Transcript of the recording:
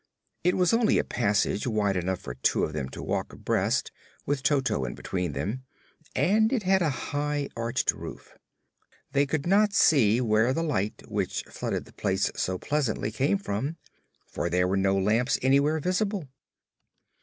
It was only a passage, wide enough for two of them to walk abreast with Toto in between them and it had a high, arched roof. They could not see where the light which flooded the place so pleasantly came from, for there were no lamps anywhere visible.